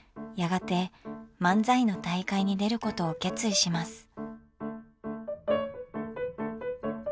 やがて漫才の大会に出ることを決意します。